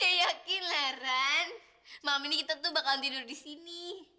ya yakin lah ran malam ini kita tuh bakal tidur disini